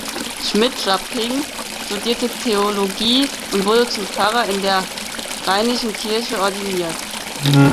Schmidt-Japing studierte Theologie und wurde zum Pfarrer in der Rheinischen Kirche ordiniert.